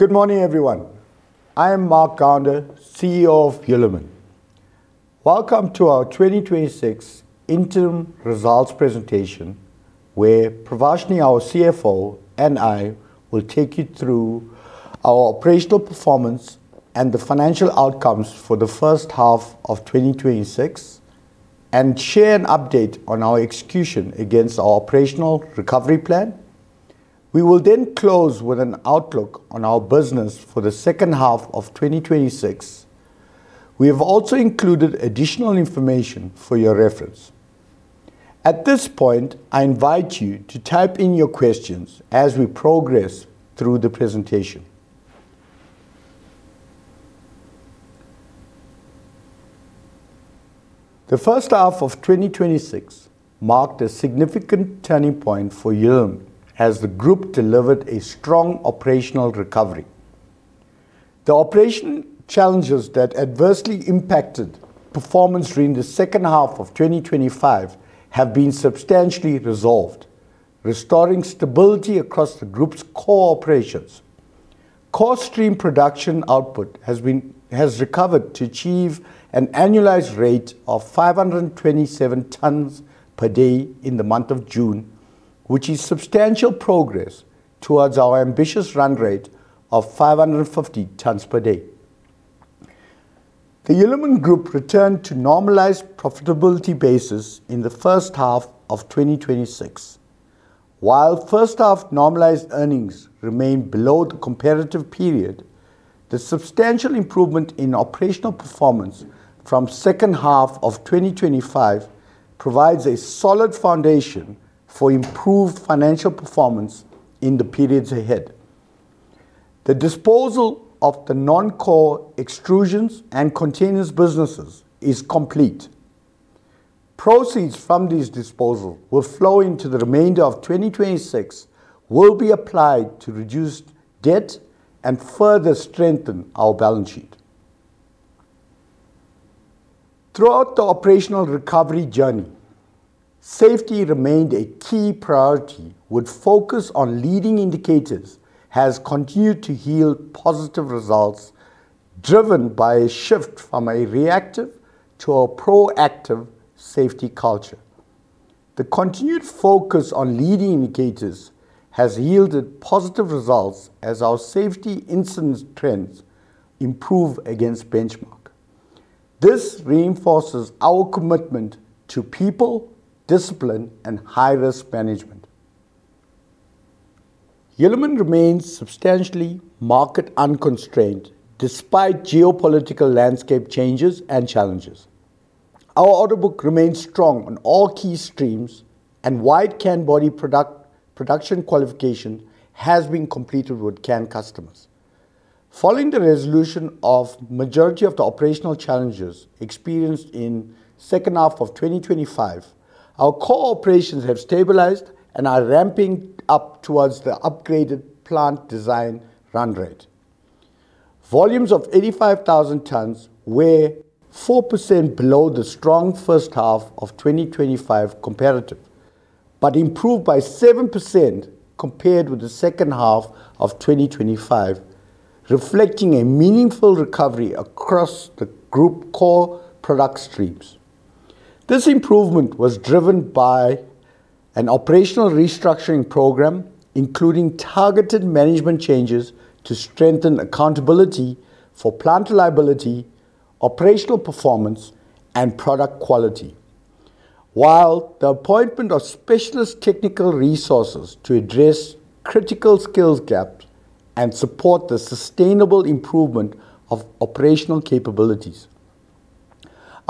Good morning, everyone. I am Mark Gounder, CEO of Hulamin. Welcome to our 2026 interim results presentation, where Pravashni, our CFO, and I will take you through our operational performance and the financial outcomes for the first half of 2026 and share an update on our execution against our operational recovery plan. We will then close with an outlook on our business for the second half of 2026. We have also included additional information for your reference. At this point, I invite you to type in your questions as we progress through the presentation. The first half of 2026 marked a significant turning point for Hulamin as the group delivered a strong operational recovery. The operational challenges that adversely impacted performance during the second half of 2025 have been substantially resolved, restoring stability across the group's core operations. Core stream production output has recovered to achieve an annualized rate of 527 tonnes per day in the month of June, which is substantial progress towards our ambitious run rate of 550 tonnes per day. The Hulamin group returned to normalized profitability basis in the first half of 2026. While first half normalized earnings remain below the comparative period, the substantial improvement in operational performance from second half of 2025 provides a solid foundation for improved financial performance in the periods ahead. The disposal of the non-core extrusions and containers businesses is complete. Proceeds from this disposal will flow into the remainder of 2026, will be applied to reduce debt, and further strengthen our balance sheet. Throughout the operational recovery journey, safety remained a key priority, with focus on leading indicators has continued to yield positive results, driven by a shift from a reactive to a proactive safety culture. The continued focus on leading indicators has yielded positive results as our safety incident trends improve against benchmark. This reinforces our commitment to people, discipline, and high-risk management. Hulamin remains substantially market unconstrained despite geopolitical landscape changes and challenges. Our order book remains strong on all key streams and Wide Can Body production qualification has been completed with can customers. Following the resolution of majority of the operational challenges experienced in second half of 2025, our core operations have stabilized and are ramping up towards the upgraded plant design run rate. Volumes of 85,000 tonnes were 4% below the strong first half of 2025 comparative, but improved by 7% compared with the second half of 2025, reflecting a meaningful recovery across the group core product streams. This improvement was driven by an operational restructuring program, including targeted management changes to strengthen accountability for plant reliability, operational performance, and product quality. While the appointment of specialist technical resources to address critical skills gaps and support the sustainable improvement of operational capabilities.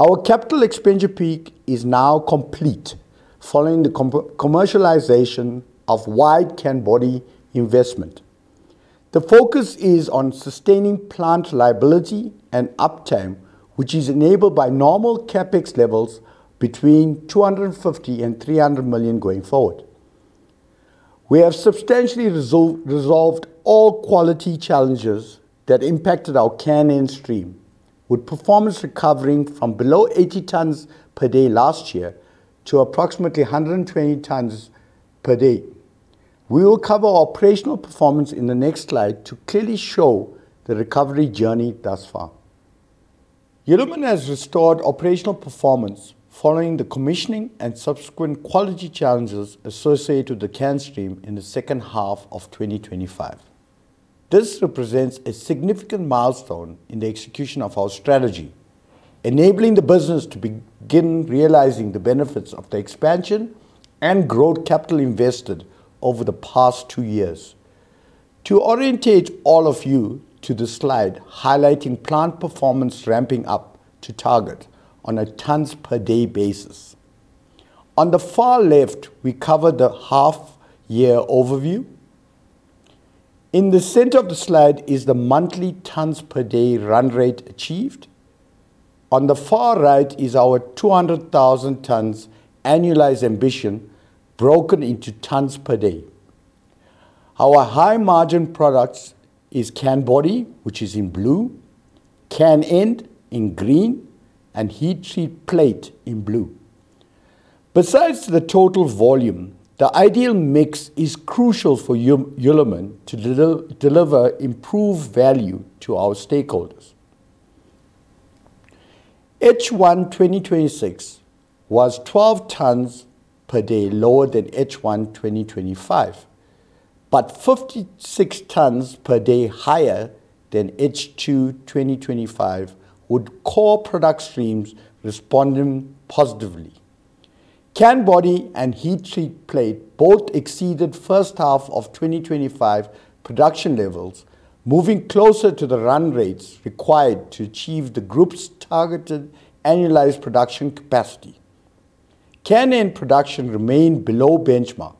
Our capital expenditure peak is now complete following the commercialization of Wide Can Body investment. The focus is on sustaining plant reliability and uptime, which is enabled by normal CapEx levels between 250 million and 300 million going forward. We have substantially resolved all quality challenges that impacted our can end stream, with performance recovering from below 80 tonnes per day last year to approximately 120 tonnes per day. We will cover operational performance in the next slide to clearly show the recovery journey thus far. Hulamin has restored operational performance following the commissioning and subsequent quality challenges associated with the can stream in the second half of 2025. This represents a significant milestone in the execution of our strategy, enabling the business to begin realizing the benefits of the expansion and growth capital invested over the past two years. To orientate all of you to the slide highlighting plant performance ramping up to target on a tonnes per day basis. On the far left, we cover the half-year overview. In the center of the slide is the monthly tonnes per day run rate achieved. On the far right is our 200,000 tonnes annualized ambition broken into tonnes per day. Our high margin products is Can Body, which is in blue, can end in green, and heat treat plate in blue. Besides the total volume, the ideal mix is crucial for Hulamin to deliver improved value to our stakeholders. H1 2026 was 12 tons per day lower than H1 2025, but 56 tons per day higher than H2 2025, with core product streams responding positively. Can Body and heat treat plate both exceeded first half of 2025 production levels, moving closer to the run rates required to achieve the group's targeted annualized production capacity. can end production remained below benchmark,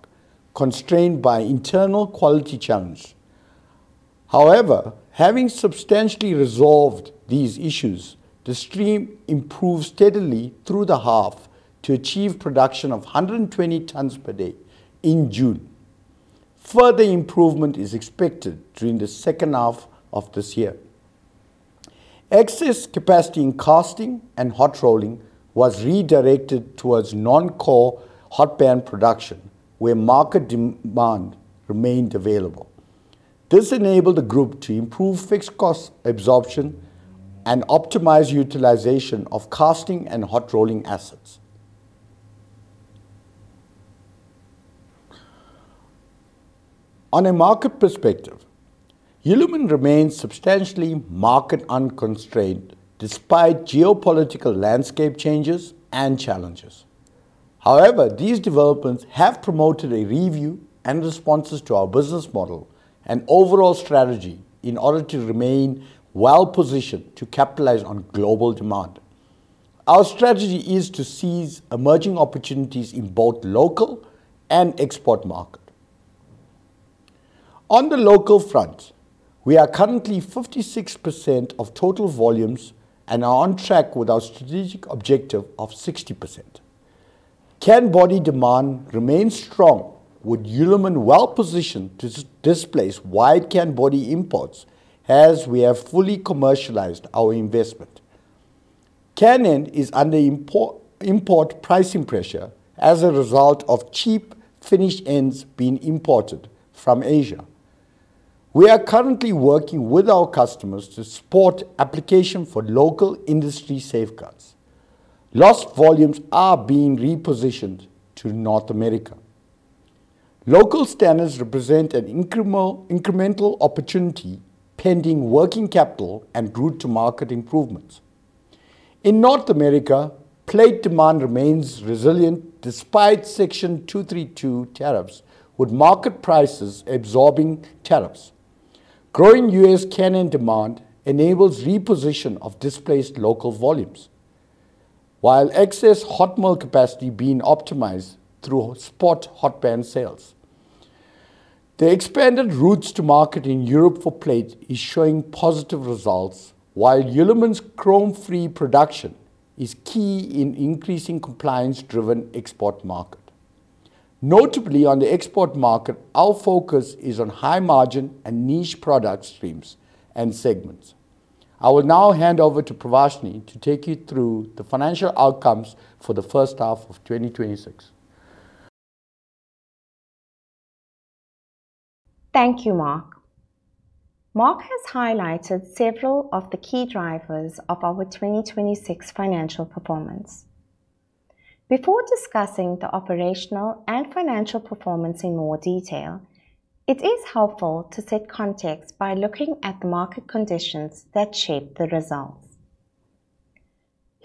constrained by internal quality challenges. However, having substantially resolved these issues, the stream improved steadily through the half to achieve production of 120 tons per day in June. Further improvement is expected during the second half of this year. Excess capacity in casting and hot rolling was redirected towards non-core hot band production, where market demand remained available. This enabled the group to improve fixed cost absorption and optimize utilization of casting and hot rolling assets. On a market perspective, Hulamin remains substantially market unconstrained despite geopolitical landscape changes and challenges. However, these developments have promoted a review and responses to our business model and overall strategy in order to remain well-positioned to capitalize on global demand. Our strategy is to seize emerging opportunities in both local and export market. On the local front, we are currently 56% of total volumes and are on track with our strategic objective of 60%. Can Body demand remains strong with Hulamin well-positioned to displace Wide Can Body imports as we have fully commercialized our investment. can end is under import pricing pressure as a result of cheap finished ends being imported from Asia. We are currently working with our customers to support application for local industry safeguards. Lost volumes are being repositioned to North America. Local standards represent an incremental opportunity pending working capital and route to market improvements. In North America, plate demand remains resilient despite Section 232 tariffs, with market prices absorbing tariffs. Growing U.S. can end demand enables reposition of displaced local volumes. While excess hot mill capacity being optimized through spot hot band sales. The expanded routes to market in Europe for plate is showing positive results, while Hulamin's chrome-free production is key in increasing compliance-driven export market. Notably, on the export market, our focus is on high margin and niche product streams and segments. I will now hand over to Pravashni to take you through the financial outcomes for the first half of 2026. Thank you, Mark. Mark has highlighted several of the key drivers of our 2026 financial performance. Before discussing the operational and financial performance in more detail, it is helpful to set context by looking at the market conditions that shape the results.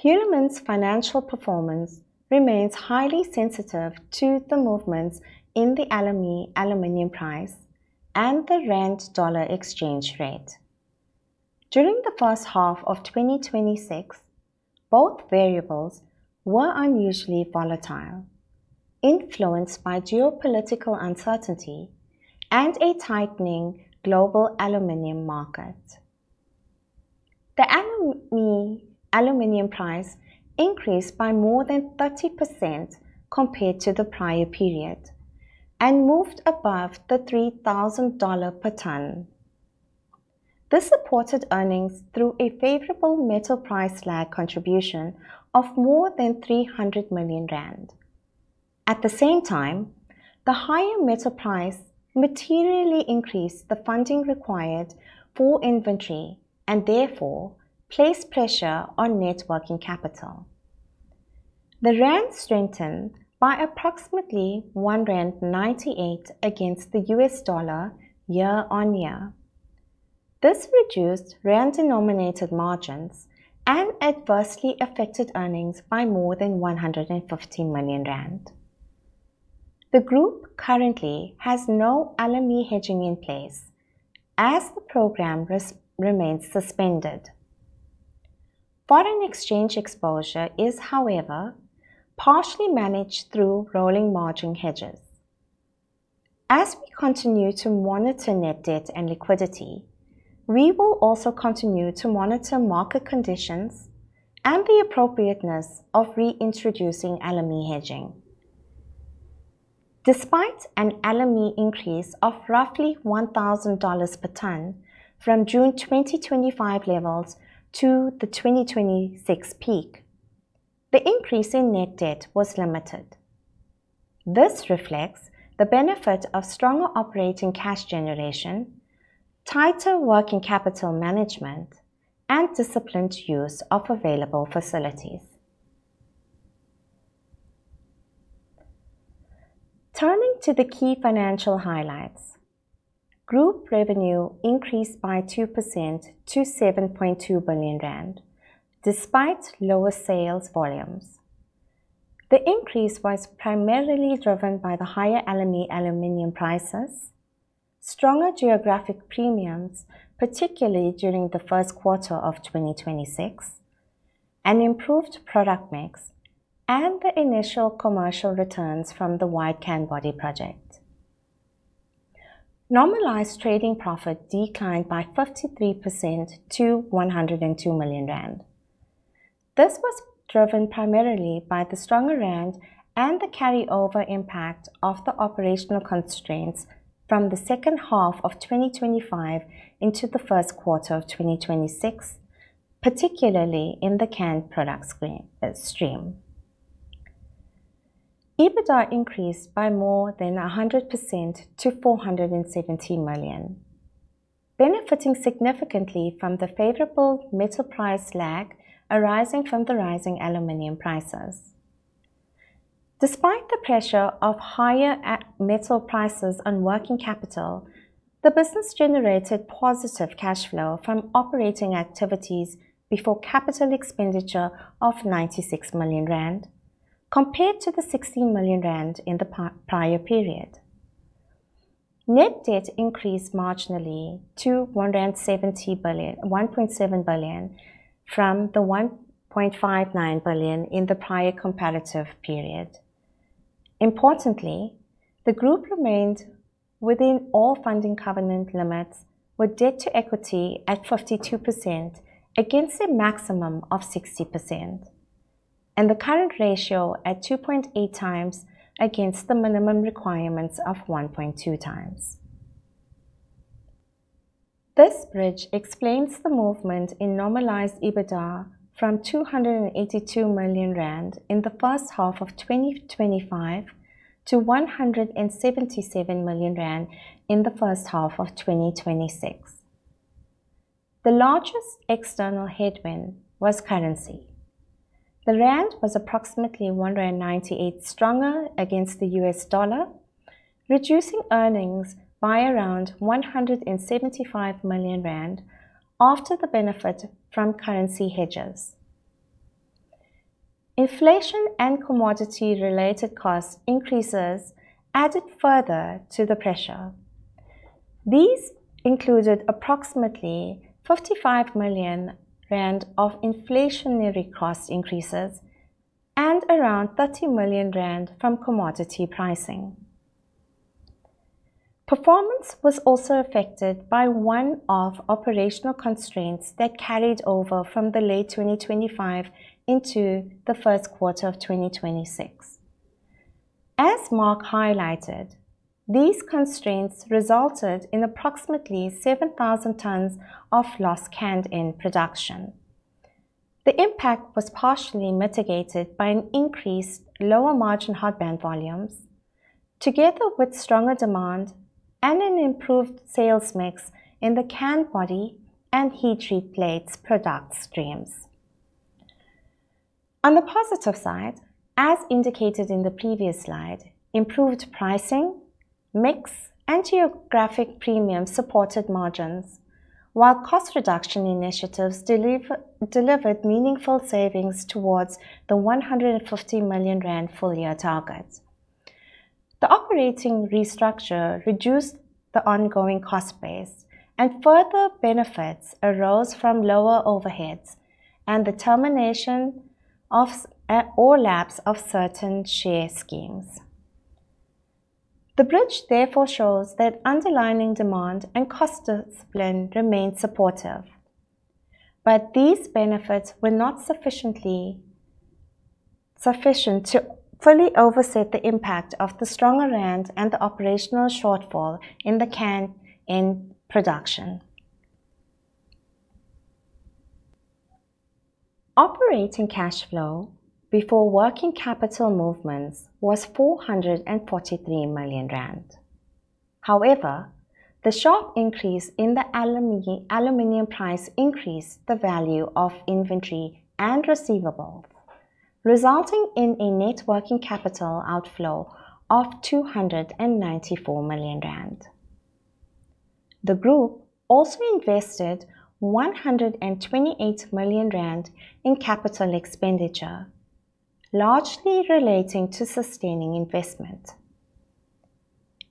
Hulamin's financial performance remains highly sensitive to the movements in the LME aluminium price and the rand/dollar exchange rate. During the first half of 2026, both variables were unusually volatile, influenced by geopolitical uncertainty and a tightening global aluminium market. The LME aluminium price increased by more than 30% compared to the prior period and moved above $3,000 per ton. This supported earnings through a favorable metal price lag contribution of more than 300 million rand. At the same time, the higher metal price materially increased the funding required for inventory and therefore placed pressure on net working capital. The rand strengthened by approximately 1.98 rand against the U.S. dollar year on year. This reduced rand-denominated margins and adversely affected earnings by more than 150 million rand. The group currently has no LME hedging in place as the program remains suspended. Foreign exchange exposure is, however, partially managed through rolling margin hedges. As we continue to monitor net debt and liquidity, we will also continue to monitor market conditions and the appropriateness of reintroducing LME hedging. Despite an LME increase of roughly $1,000 per ton from June 2025 levels to the 2026 peak, the increase in net debt was limited. This reflects the benefit of stronger operating cash generation, tighter working capital management, and disciplined use of available facilities. Turning to the key financial highlights. Group revenue increased by 2% to 7.2 billion rand, despite lower sales volumes. The increase was primarily driven by the higher LME aluminium prices, stronger geographic premiums, particularly during the first quarter of 2026, an improved product mix, and the initial commercial returns from the Wide Can Body project. Normalised trading profit declined by 53% to 102 million rand. This was driven primarily by the stronger rand and the carryover impact of the operational constraints from the second half of 2025 into the first quarter of 2026, particularly in the canned product stream. EBITDA increased by more than 100% to 470 million, benefiting significantly from the favorable metal price lag arising from the rising aluminium prices. Despite the pressure of higher metal prices on working capital, the business generated positive cash flow from operating activities before capital expenditure of 96 million rand compared to 16 million rand in the prior period. Net debt increased marginally to 1.7 billion from 1.59 billion in the prior comparative period. Importantly, the group remained within all funding covenant limits, with debt to equity at 52% against a maximum of 60% and the current ratio at 2.8x against the minimum requirements of 1.2x. This bridge explains the movement in normalised EBITDA from 282 million rand in the first half of 2025 to 177 million rand in the first half of 2026. The largest external headwind was currency. The rand was approximately 1.98 rand stronger against the U.S. dollar, reducing earnings by around 175 million rand after the benefit from currency hedges. Inflation and commodity related cost increases added further to the pressure. These included approximately 55 million rand of inflationary cost increases and around 30 million rand from commodity pricing. Performance was also affected by one-off operational constraints that carried over from the late 2025 into the first quarter of 2026. As Mark highlighted, these constraints resulted in approximately 7,000 tons of lost can end production. The impact was partially mitigated by an increased lower margin hot band volumes, together with stronger demand and an improved sales mix in the Can Body and heat treat plates product streams. On the positive side, as indicated in the previous slide, improved pricing, mix and geographic premium supported margins, while cost reduction initiatives delivered meaningful savings towards the 150 million rand full year target. The operating restructure reduced the ongoing cost base and further benefits arose from lower overheads and the termination of all tranches of certain share schemes. The bridge shows that underlying demand and cost discipline remained supportive, but these benefits were not sufficient to fully offset the impact of the stronger rand and the operational shortfall in the can end production. Operating cash flow before working capital movements was 443 million rand. However, the sharp increase in the aluminium price increased the value of inventory and receivables, resulting in a net working capital outflow of 294 million rand. The group also invested 128 million rand in capital expenditure, largely relating to sustaining investment.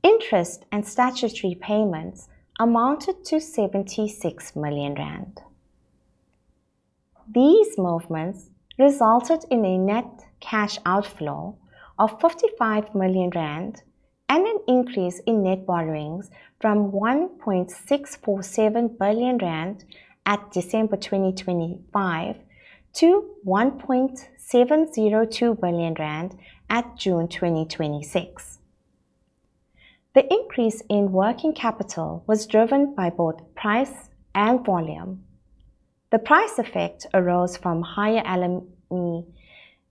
Interest and statutory payments amounted to 76 million rand. These movements resulted in a net cash outflow of 55 million rand and an increase in net borrowings from 1.647 billion rand at December 2025 to 1.702 billion rand at June 2026. The increase in working capital was driven by both price and volume. The price effect arose from higher aluminium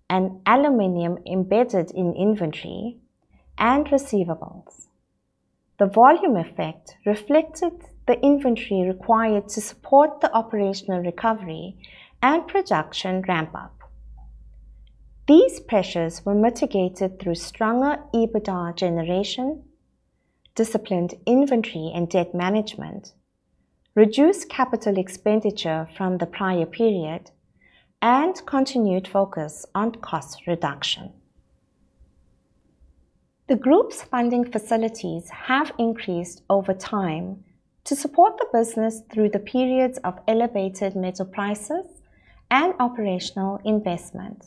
and aluminium embedded in inventory and receivables. The volume effect reflected the inventory required to support the operational recovery and production ramp-up. These pressures were mitigated through stronger EBITDA generation, disciplined inventory and debt management, reduced capital expenditure from the prior period, and continued focus on cost reduction. The group's funding facilities have increased over time to support the business through the periods of elevated metal prices and operational investment.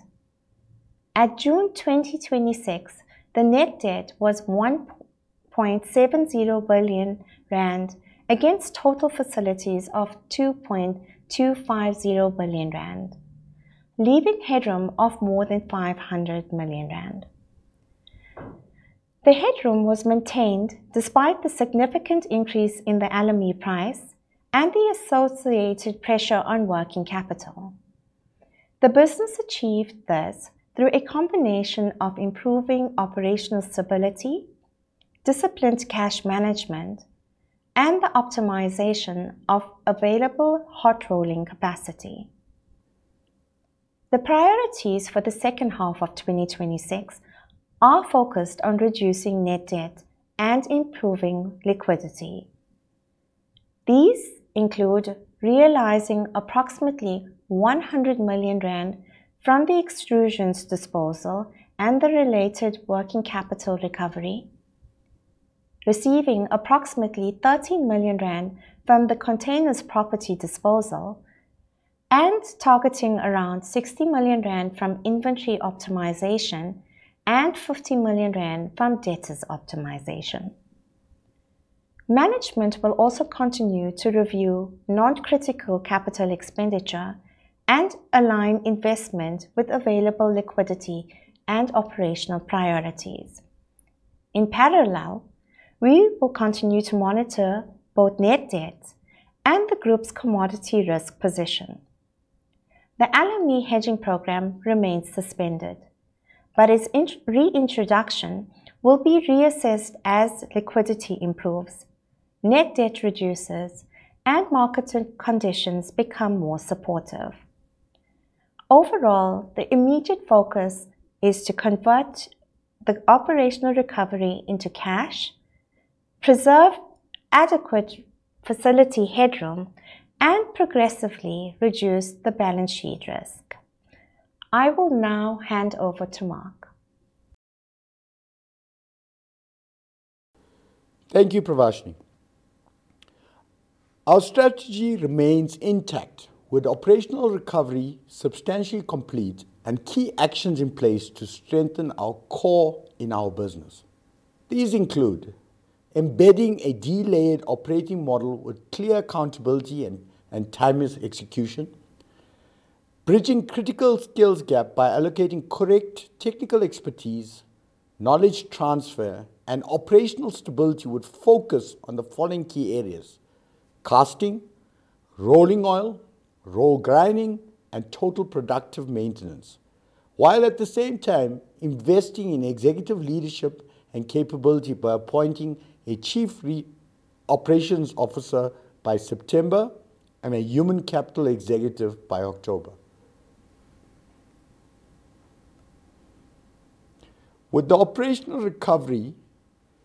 At June 2026, the net debt was 1.70 billion rand against total facilities of 2.250 billion rand, leaving headroom of more than 500 million rand. The headroom was maintained despite the significant increase in the aluminium price and the associated pressure on working capital. The business achieved this through a combination of improving operational stability, disciplined cash management, and the optimization of available hot rolling capacity. The priorities for the second half of 2026 are focused on reducing net debt and improving liquidity. These include realizing approximately 100 million rand from the extrusions disposal and the related working capital recovery, receiving approximately 13 million rand from the containers' property disposal, and targeting around 60 million rand from inventory optimization and 50 million rand from debtors optimization. Management will also continue to review non-critical capital expenditure and align investment with available liquidity and operational priorities. In parallel, we will continue to monitor both net debt and the group's commodity risk position. The aluminium hedging program remains suspended, but its reintroduction will be reassessed as liquidity improves, net debt reduces, and market conditions become more supportive. Overall, the immediate focus is to convert the operational recovery into cash, preserve adequate facility headroom, and progressively reduce the balance sheet risk. I will now hand over to Mark. Thank you, Pravashni. Our strategy remains intact with operational recovery substantially complete and key actions in place to strengthen our core in our business. These include embedding a delayered operating model with clear accountability and timeless execution, bridging critical skills gap by allocating correct technical expertise, knowledge transfer, and operational stability would focus on the following key areas: casting, rolling oil, roll grinding, and Total Productive Maintenance. While at the same time investing in executive leadership and capability by appointing a chief operations officer by September and a human capital executive by October. With the operational recovery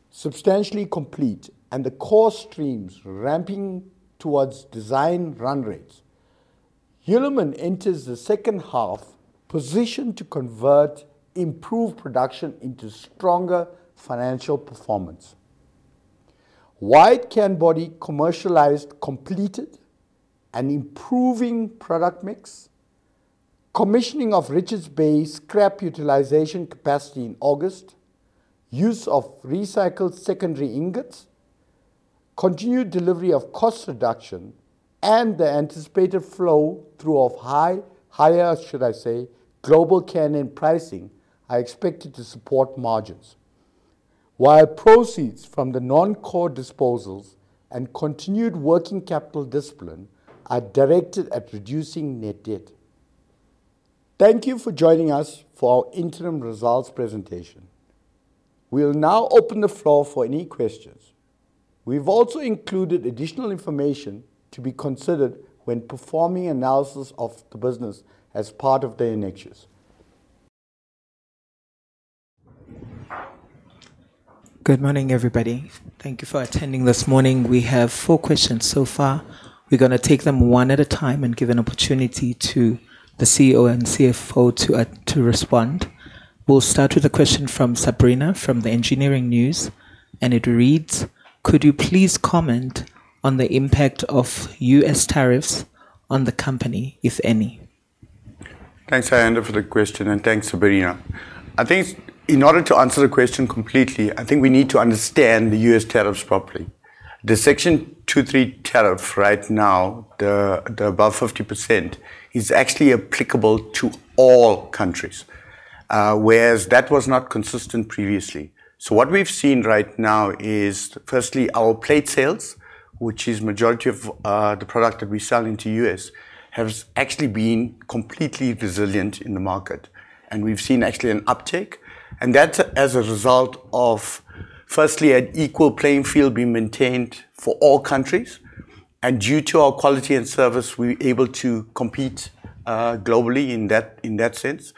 substantially complete and the core streams ramping towards design run rates, Hulamin enters the second half positioned to convert improved production into stronger financial performance. Wide Can Body commercialized completed an improving product mix, commissioning of Richards Bay scrap utilization capacity in August, use of recycled secondary ingots, continued delivery of cost reduction, and the anticipated flow through of higher global can end pricing are expected to support margins, while proceeds from the non-core disposals and continued working capital discipline are directed at reducing net debt. Thank you for joining us for our interim results presentation. We'll now open the floor for any questions. We've also included additional information to be considered when performing analysis of the business as part of the annexures. Good morning, everybody. Thank you for attending this morning. We have four questions so far. We're going to take them one at a time and give an opportunity to the CEO and CFO to respond. We'll start with a question from Sabrina from the Engineering News. It reads, "Could you please comment on the impact of U.S. tariffs on the company, if any? Thanks, Ayanda, for the question, and thanks, Sabrina. In order to answer the question completely, we need to understand the U.S. tariffs properly. The Section 232 tariff right now, the above 50%, is actually applicable to all countries, whereas that was not consistent previously. What we've seen right now is firstly our plate sales, which is majority of the product that we sell into U.S., has actually been completely resilient in the market. We've seen actually an uptick. That's as a result of firstly an equal playing field being maintained for all countries. Due to our quality and service, we're able to compete globally in that sense.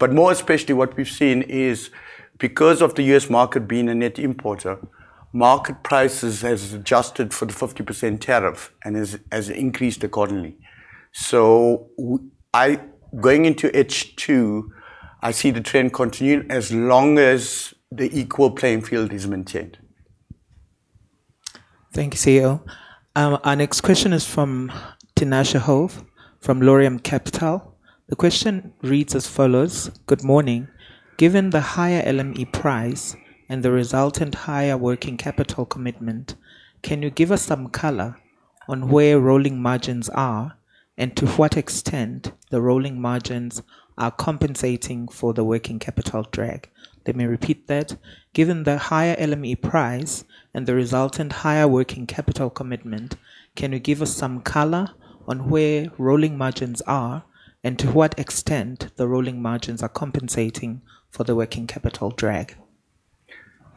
More especially what we've seen is because of the U.S. market being a net importer, market prices has adjusted for the 50% tariff and has increased accordingly. Going into H2, I see the trend continuing as long as the equal playing field is maintained. Thank you, CEO. Our next question is from Tinashe Hove from Laurium Capital. The question reads as follows: "Good morning. Given the higher LME price and the resultant higher working capital commitment, can you give us some color on where rolling margins are and to what extent the rolling margins are compensating for the working capital drag?" Let me repeat that. "Given the higher LME price and the resultant higher working capital commitment, can you give us some color on where rolling margins are and to what extent the rolling margins are compensating for the working capital drag?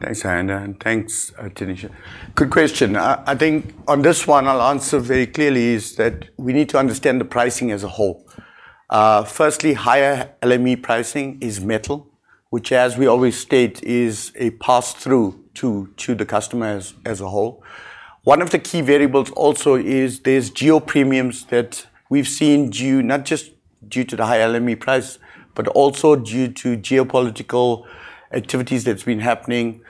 Thanks, Ayanda, and thanks, Tinashe. Good question. I think on this one I'll answer very clearly is that we need to understand the pricing as a whole. Firstly, higher LME pricing is metal, which as we always state is a pass-through to the customers as a whole. One of the key variables also is there's geo premiums that we've seen, not just due to the high LME price, but also due to geopolitical activities that's been happening,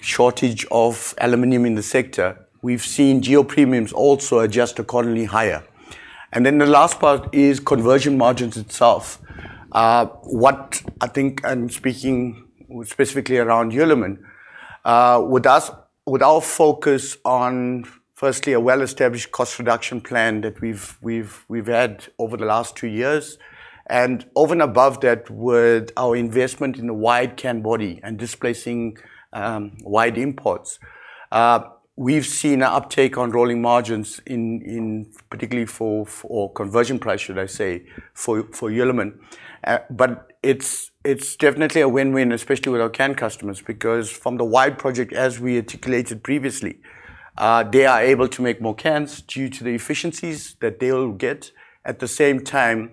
shortage of aluminium in the sector. We've seen geo premiums also adjust accordingly higher. The last part is conversion margins itself. What I think I'm speaking specifically around Hulamin. With our focus on firstly a well-established cost reduction plan that we've had over the last two years, and over and above that, with our investment in the Wide Can Body and displacing wide imports. We've seen an uptake on rolling margins in particularly for conversion price, should I say, for Hulamin. It's definitely a win-win, especially with our can customers, because from the wide project, as we articulated previously, they are able to make more cans due to the efficiencies that they'll get. At the same time,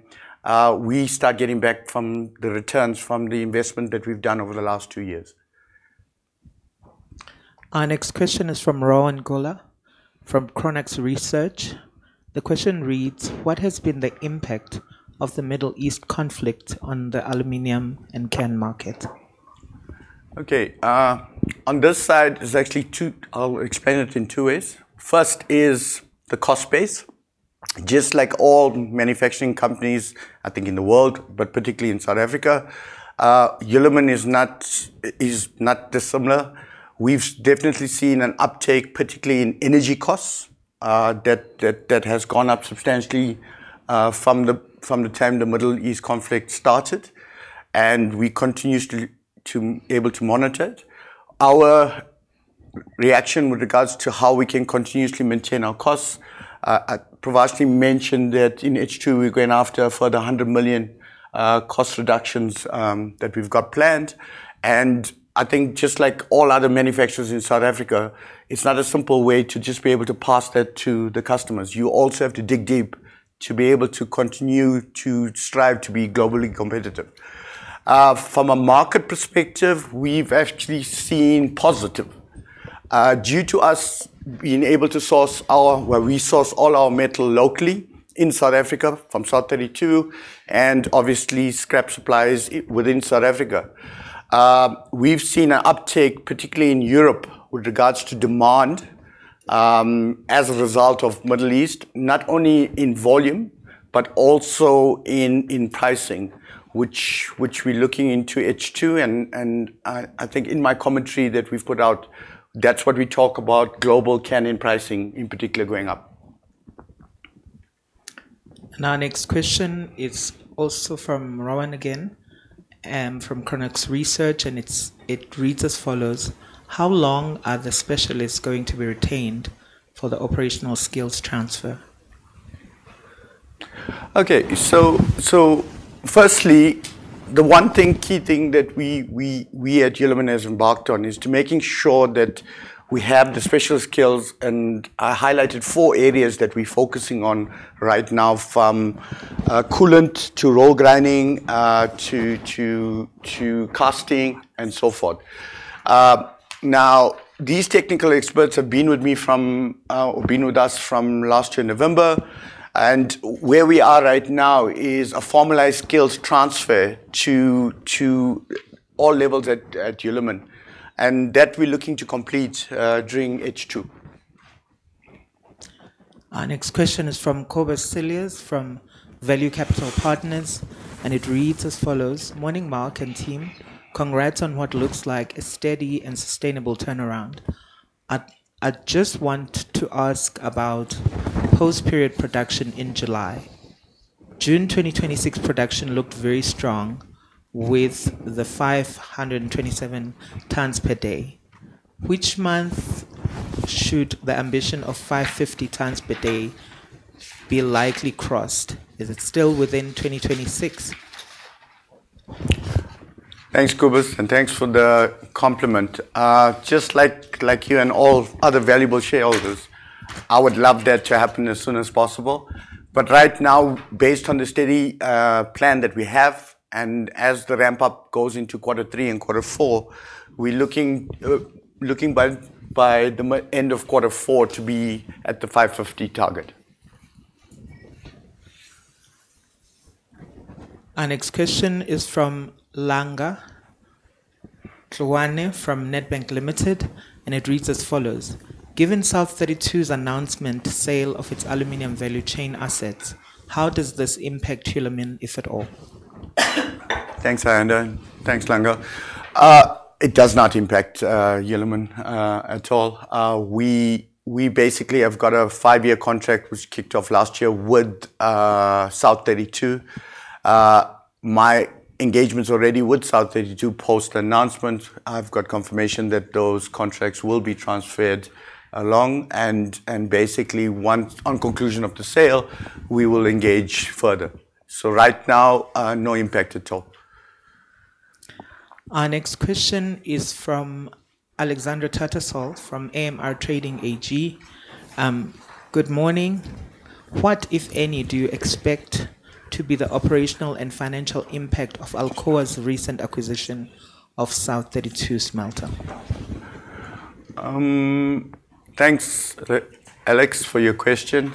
we start getting back from the returns from the investment that we've done over the last two years. Our next question is from Rowan Goeller from Chronux Research. The question reads: "What has been the impact of the Middle East conflict on the aluminum and can market? Okay. On this side, there's actually two I'll explain it in two ways. First is the cost base. Just like all manufacturing companies, I think in the world, but particularly in South Africa, Hulamin is not dissimilar. We've definitely seen an uptake, particularly in energy costs, that has gone up substantially, from the time the Middle East conflict started, and we continue to able to monitor it. Our reaction with regards to how we can continuously maintain our costs, I previously mentioned that in H2 we're going after a further 100 million cost reductions that we've got planned. I think just like all other manufacturers in South Africa, it's not a simple way to just be able to pass that to the customers. You also have to dig deep to be able to continue to strive to be globally competitive. From a market perspective, we've actually seen positive. Due to us being able to source our Well, we source all our metal locally in South Africa from South32, and obviously scrap suppliers within South Africa. We've seen an uptake, particularly in Europe, with regards to demand, as a result of Middle East, not only in volume but also in pricing, which we're looking into H2 and I think in my commentary that we've put out, that's what we talk about global can pricing in particular going up. Our next question is also from Rowan again, from Chronux Research, and it reads as follows: "How long are the specialists going to be retained for the operational skills transfer? Firstly, the one thing, key thing that we at Hulamin have embarked on is to making sure that we have the special skills. I highlighted four areas that we're focusing on right now from coolant to roll grinding, to casting and so forth. These technical experts have been with us from last year, November. Where we are right now is a formalized skills transfer to all levels at Hulamin, and that we're looking to complete during H2. Our next question is from Cobus Cilliers from Value Capital Partners, and it reads as follows: "Morning, Mark and team. Congrats on what looks like a steady and sustainable turnaround. I just want to ask about post-period production in July. June 2026 production looked very strong with the 527 tonnes per day. Which month should the ambition of 550 tonnes per day be likely crossed? Is it still within 2026? Thanks, Cobus, thanks for the compliment. Just like you and all other valuable shareholders, I would love that to happen as soon as possible. Right now, based on the steady plan that we have and as the ramp-up goes into quarter three and quarter four, we're looking by the end of quarter four to be at the 550 target. Our next question is from [Langa Tlawane] from Nedbank Limited, and it reads as follows: "Given South32's announcement sale of its aluminium value chain assets, how does this impact Hulamin, if at all? Thanks, Ayanda. Thanks, Langa. It does not impact Hulamin at all. We basically have got a five-year contract which kicked off last year with South32. My engagements already with South32 post-announcement, I've got confirmation that those contracts will be transferred along and basically on conclusion of the sale, we will engage further. Right now, no impact at all. Our next question is from Alexander Tattersall from AMR Trading AG. Good morning. What, if any, do you expect to be the operational and financial impact of Alcoa's recent acquisition of South32's smelter? Thanks, Alex, for your question.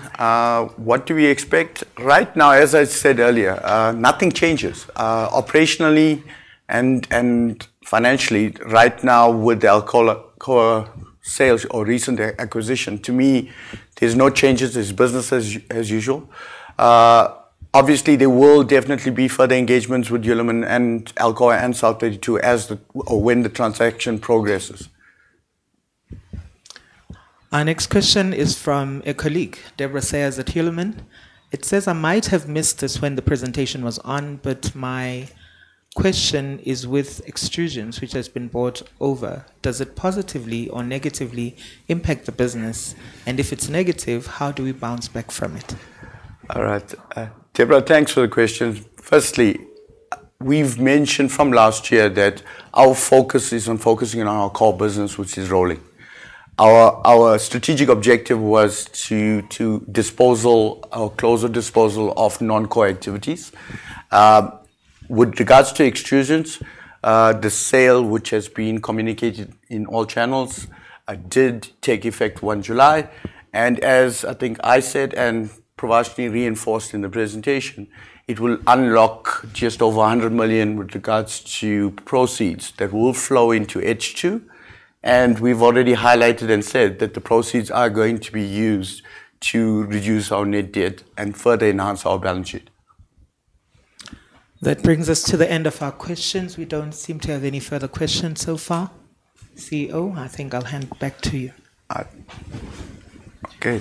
What do we expect? Right now, as I said earlier, nothing changes. Operationally and financially, right now with the Alcoa sales or recent acquisition, to me, there's no changes. It's business as usual. Obviously, there will definitely be further engagements with Hulamin and Alcoa and South32 as or when the transaction progresses. Our next question is from a colleague, Debra Sayers at Hulamin. It says, "I might have missed this when the presentation was on, my question is with extrusions, which has been bought over. Does it positively or negatively impact the business? If it's negative, how do we bounce back from it? All right. Debra, thanks for the question. Firstly, we've mentioned from last year that our focus is on focusing on our core business, which is rolling. Our strategic objective was to disposal or closer disposal of non-core activities. With regards to extrusions, the sale which has been communicated in all channels, did take effect 1 July. As I think I said and Pravashni reinforced in the presentation, it will unlock just over 100 million with regards to proceeds that will flow into H2. We've already highlighted and said that the proceeds are going to be used to reduce our net debt and further enhance our balance sheet. That brings us to the end of our questions. We don't seem to have any further questions so far. CEO, I think I'll hand back to you. Okay.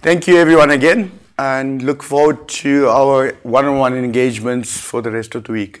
Thank you everyone again, and look forward to our one-on-one engagements for the rest of the week.